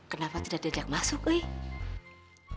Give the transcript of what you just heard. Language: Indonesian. kenapa tidak di ajak masuk weh